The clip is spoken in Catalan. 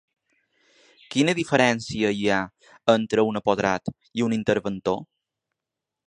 Quina diferència hi ha entre un apoderat i un interventor?